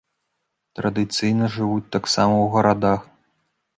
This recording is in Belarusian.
Традыцыйна жывуць таксама ў гарадах.